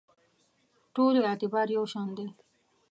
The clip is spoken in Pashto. ټولو اعتبار یو شان دی.